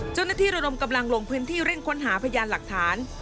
เจ้าหน้าที่ร่วมกำลังลงพื้นที่เร่งค้นหาพยานหลักฐาน